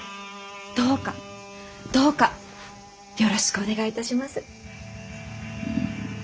どうかどうかよろしくお願いいたします。